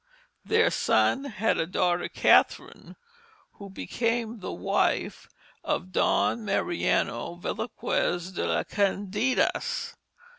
Their son had a daughter Catherine, who became the wife of Don Mariano Velasquez de la Cadenas.